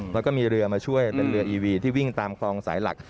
แล้วก็มีเรือมาช่วยเป็นเรืออีวีที่วิ่งตามคลองสายหลัก